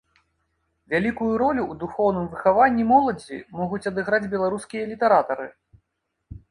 Вялікую ролю ў духоўным выхаванні моладзі могуць адыграць беларускія літаратары.